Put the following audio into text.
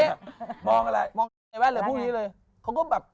มองอะไรมองในแว่นเลยพรุ่งนี้เลยเขาก็แบบ